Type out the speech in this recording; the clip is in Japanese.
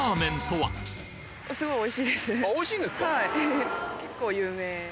はい。